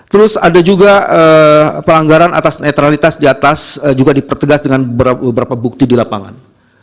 terus ada juga pelanggaran atas netralitas di atas juga dipertegas dengan beberapa bukti di lapangan